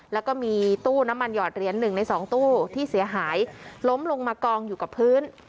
แล้วก็มีตู้น้ำมันหอดเหรียญ๑ใน๒ตู้ที่เสียหายล้มลงมากองอยู่กับพื้น